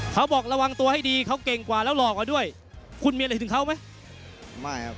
เขาบอกระวังตัวให้ดีเขาเก่งกว่าแล้วหลอกเอาด้วยคุณมีอะไรถึงเขาไหมไม่ครับ